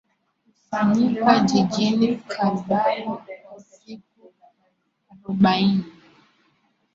kusanyika jijini kalbala kwa siku arobaini